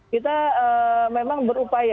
kita memang berupaya